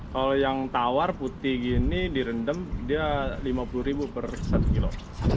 kalau yang tawar putih gini direndam dia lima puluh ribu per satu kilo